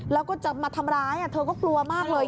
แล้วก็จะมาทำร้ายเธอก็กลัวมากเลย